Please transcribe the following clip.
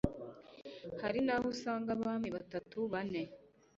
Hari n'aho usanga abami batatu, bane